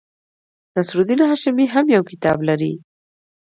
نصیر الدین هاشمي هم یو کتاب لري.